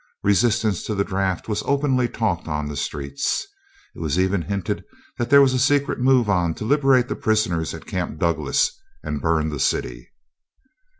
Resistance to the draft was openly talked on the streets. It was even hinted that there was a secret move on foot to liberate the prisoners at Camp Douglas and burn the city.